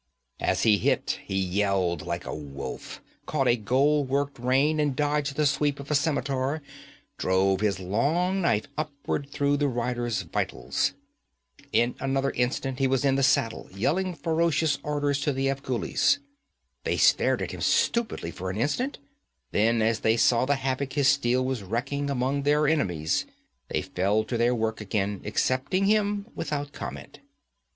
As he hit, he yelled like a wolf, caught a gold worked rein, and dodging the sweep of a scimitar, drove his long knife upward through the rider's vitals. In another instant he was in the saddle, yelling ferocious orders to the Afghulis. They stared at him stupidly for an instant; then as they saw the havoc his steel was wreaking among their enemies, they fell to their work again, accepting him without comment.